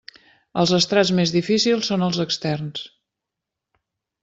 Els estrats més difícils són els externs.